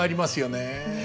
ねえ。